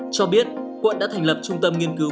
cho biết quận đã thành lập trung tâm nghiên cứu